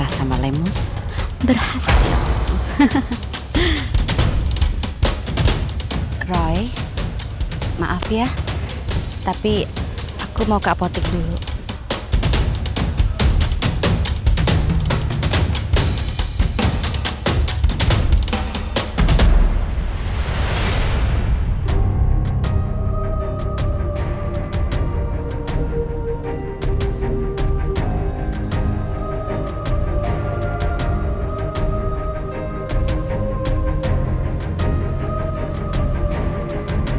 ambilred pareng baybthere sudah menambahkan